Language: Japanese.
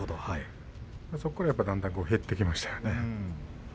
そこからだんだん減ってきましたね。